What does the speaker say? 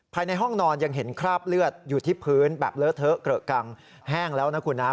ภายในห้องนอนยังเห็นคราบเลือดอยู่ที่พื้นแบบเลอะเทอะเกรอะกังแห้งแล้วนะคุณนะ